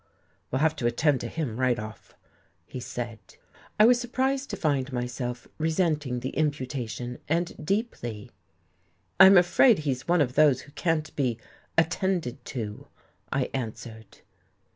"We'll have to attend to him, right off," he said. I was surprised to find myself resenting the imputation, and deeply. "I'm afraid he's one of those who can't be 'attended to,'" I answered.